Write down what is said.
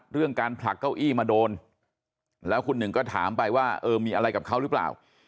เรื่องการผลักเก้าอี้มาโดนแล้วคุณหนึ่งก็ถามไปว่าเออมีอะไรกับเขาหรือเปล่า